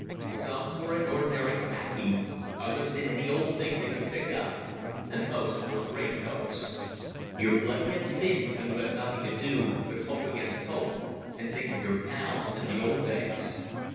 Some were in ordinary khaki, others in any old thing they could pick up, and most wore greatcoats. Your blood gets thin when you have nothing to do but hope against hope and think of your pals and the old days.